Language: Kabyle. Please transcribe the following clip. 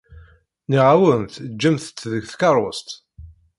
Nniɣ-awent ǧǧemt-t deg tkeṛṛust.